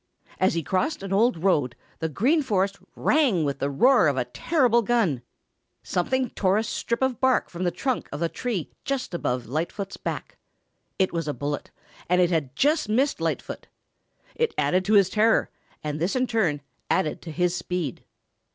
As he crossed an old road, the Green Forest rang with the roar of a terrible gun. Something tore a strip of bark from the trunk of a tree just above Lightfoot's back. It was a bullet and it had just missed Lightfoot. It added to his terror and this in turn added to his speed.